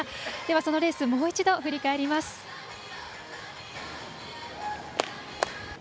そのレースもう一度振り返ります。